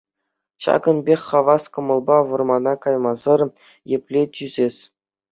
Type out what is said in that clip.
Ҫакӑн пек хавас кӑмӑлпа вӑрмана каймасӑр епле тӳсес!